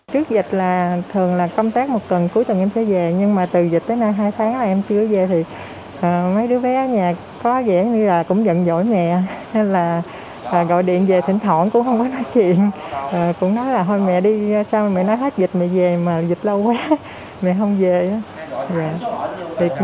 trước dịch là thường là công tác một tuần cuối tuần em sẽ về nhưng mà từ dịch tới nay hai tháng là em chưa về thì mấy đứa bé ở nhà có vẻ như là cũng giận dỗi mẹ hay là gọi điện về thỉnh thoảng cũng không có nói chuyện cũng nói là thôi mẹ đi sau mẹ nói hết dịch mẹ về mà dịch lâu quá mẹ không về